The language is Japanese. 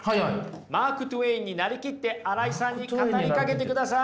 マーク・トウェインになりきって新井さんに語りかけてください。